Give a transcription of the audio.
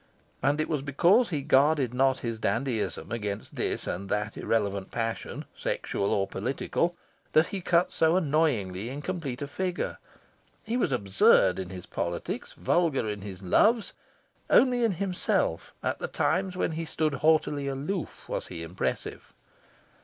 And it was because he guarded not his dandyism against this and that irrelevant passion, sexual or political, that he cut so annoyingly incomplete a figure. He was absurd in his politics, vulgar in his loves. Only in himself, at the times when he stood haughtily aloof, was he impressive.